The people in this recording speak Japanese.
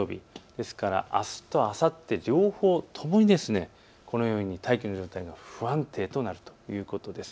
ですからあすとあさって、両方ともにこのように大気の状態が不安定となるということです。